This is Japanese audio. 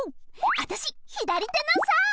あたしひだりてのさー！